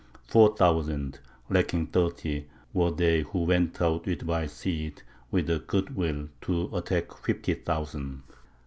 Four thousand, lacking thirty, were they who went out with my Cid, with a good will, to attack fifty thousand.